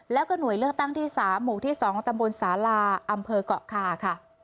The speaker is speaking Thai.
แล้วก็หน่วยเลือกตั้งที่๓หมู่ที่๒ตำบลสาลาอำเภอกเกาะคาค่ะ